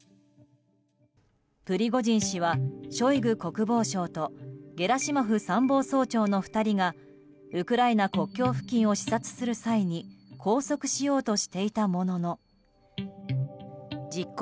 プリゴジン氏はショイグ国防相とゲラシモフ参謀総長の２人がウクライナ国境付近を視察する際に拘束しようとしていたものの実行